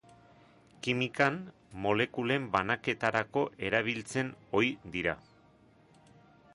Kimikan, molekulen banaketarako erabiltzen ohi dira.